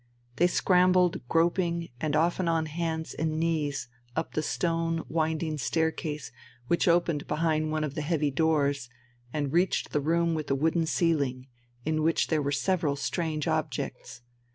They scrambled groping and often on hands and knees up the stone winding staircase which opened behind one of the heavy doors, and reached the room with the wooden ceiling, in which there were several strange objects.